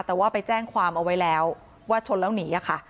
แต่ว่าไปแจ้งความเอาไว้แล้วว่าชนแล้วหนีค่ะ